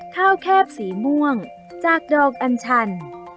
แคบสีม่วงจากดอกอัญชัน